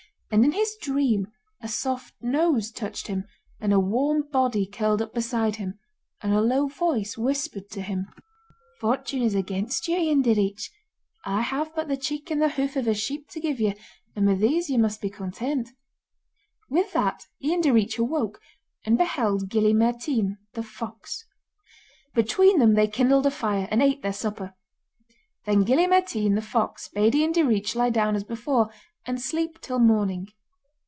And in his dream a soft nose touched him, and a warm body curled up beside him, and a low voice whispered to him: 'Fortune is against you, Ian Direach; I have but the cheek and the hoof of a sheep to give you, and with these you must be content.' With that Ian Direach awoke, and beheld Gille Mairtean the fox. Between them they kindled a fire, and ate their supper. Then Gille Mairtean the fox bade Ian Direach lie down as before, and sleep till morning.